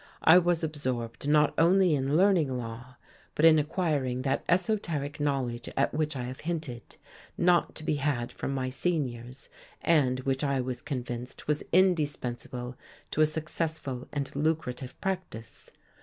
I was absorbed not only in learning law, but in acquiring that esoteric knowledge at which I have hinted not to be had from my seniors and which I was convinced was indispensable to a successful and lucrative practice.